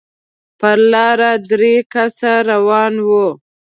پر لاره درې کسه روان وو.